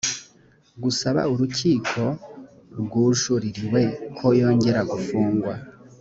gusaba urukiko rwajuririwe ko yongera gufungwa